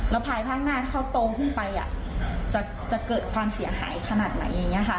แล้วภายภาคหน้าที่เขาโตขึ้นไปจะเกิดความเสียหายขนาดไหนอย่างนี้ค่ะ